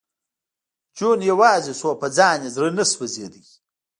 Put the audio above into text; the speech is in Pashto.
جون یوازې شو او په ځان یې زړه نه سېزېده